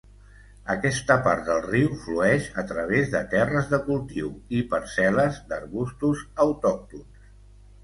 Aquesta part del riu flueix a través de terres de cultiu i parcel·les d'arbustos autòctons.